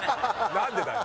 なんでだよ。